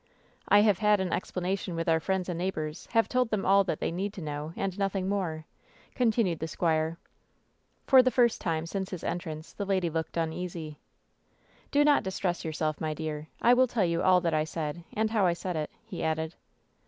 "I have had an explanation with our friends and neighbors ; have told them all that they need know, and nothing more," continued the squire. For the first time since his entrance the lady looked * imeasy. "Do not distress yourself, my dear. I will tell you all that I said, and how I said it," he added.